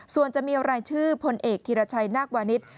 ส่วนจะมีรายชื่อพลเอกธีรชัยนาควานิส